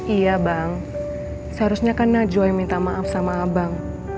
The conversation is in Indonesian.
iya bang seharusnya kan najwa yang minta maaf sama abang